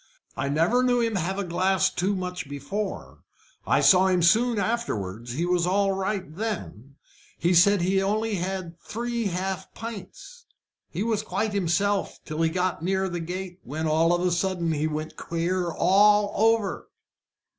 I never knew him have a glass too much before. I saw him soon afterwards he was all right then. He said he had only had three half pints. He was quite himself till he got near the gate, when all of a sudden he went queer all over."